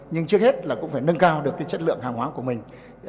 nhưng trước hết là cũng phải nâng cao được chất lượng hàng hóa của mình